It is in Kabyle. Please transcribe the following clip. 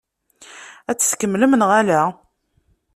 Ad t-tkemmlem neɣ ala?